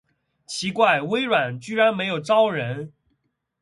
奇怪，微软居然没有招人